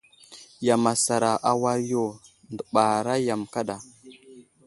Yam asar a war yo, dəɓara yam kaɗa.